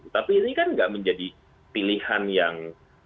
tapi ini kan nggak menjadi pilihan yang